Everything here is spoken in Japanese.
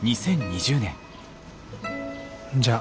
じゃあ。